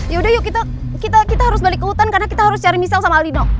yaudah yuk kita harus balik ke hutan karena kita harus cari misal sama aldino